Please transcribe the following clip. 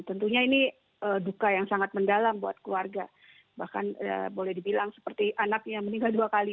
tentunya ini duka yang sangat mendalam buat keluarga bahkan boleh dibilang seperti anaknya meninggal dua kali